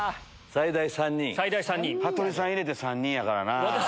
羽鳥さん入れて３人やからな。